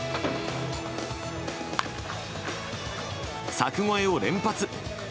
柵越えを連発。